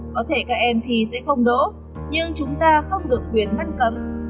có thể các em thi sẽ không đỗ nhưng chúng ta không được quyền ngăn cấm